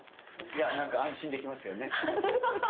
いやなんか安心できますよね。